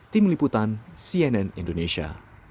tim liputan cnn indonesia